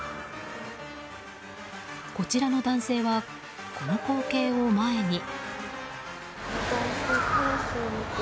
こちらの男性はこの光景を前に。